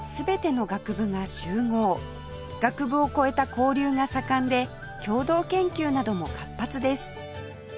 学部を超えた交流が盛んで共同研究なども活発です